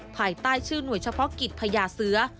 ภายใต้ชื่อหน่วยเฉพาะกิจพญาเสือ